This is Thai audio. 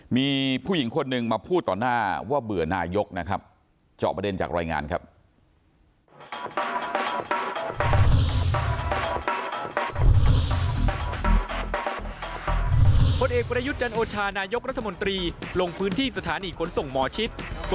มีผู้หญิงคนหนึ่งมาพูดต่อหน้าว่าเบื่อนายกนะครับ